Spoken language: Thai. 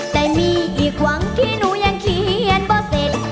แต่มีอีกหวังที่หนูยังเขียนบ่เสร็จ